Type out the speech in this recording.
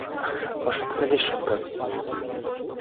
অসৎ কাজের সংজ্ঞা কী?